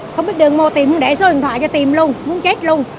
không biết đường mua tìm không để số điện thoại cho tìm luôn muốn chết luôn